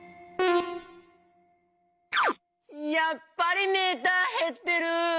やっぱりメーターへってる！